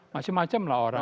macam macam lah orang